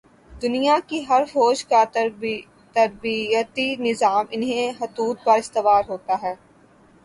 دنیا کی ہر فوج کا تربیتی نظام انہی خطوط پر استوار ہوتا ہے۔